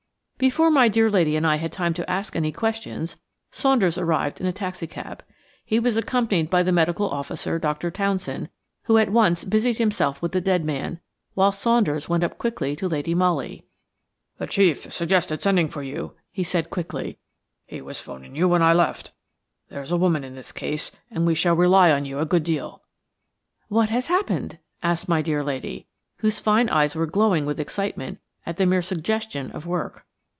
Before my dear lady and I had time to ask any questions, Saunders arrived in a taxicab. He was accompanied by the medical officer, Dr. Townson, who at once busied himself with the dead man, whilst Saunders went up quickly to Lady Molly. "The chief suggested sending for you," he said quickly; "he was 'phoning you when I left. There's a woman in this case, and we shall rely on you a good deal." "What has happened?" asked my dear lady, whose fine eyes were glowing with excitement at the mere suggestion of work.